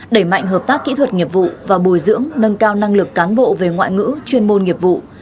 đẩy mạnh hợp tác kỹ thuật nghiệp vụ và bồi dưỡng nâng cao năng lực cán bộ về ngoại ngữ chuyên môn nghiệp vụ